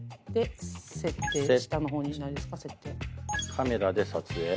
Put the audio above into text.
カメラで撮影。